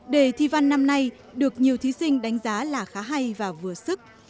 đề thi văn năm nay được nhiều thí sinh đánh giá là khá hay và vừa sức